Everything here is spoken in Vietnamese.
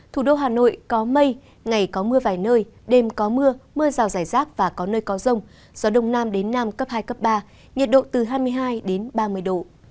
thủ đô hà nội có mây ngày có mưa vài nơi đêm có mưa mưa rào rải rác và có nơi có rông gió đông nam đến nam cấp hai cấp ba nhiệt độ từ hai mươi hai đến ba mươi độ